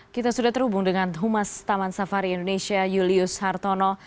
kita sudah terhubung dengan humas taman safari indonesia julius hartono